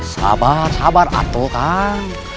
sabar sabar atuh kan